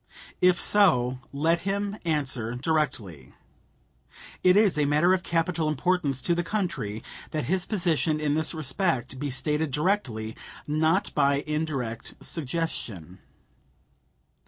If so, let him answer directly. It is a matter of capital importance to the country that his position in this respect be stated directly, not by indirect suggestion.